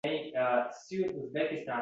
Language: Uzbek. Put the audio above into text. Insofli odamlarga tushib qoldim